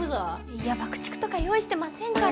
いや爆竹とか用意してませんから。